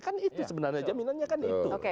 kan itu sebenarnya jaminannya kan itu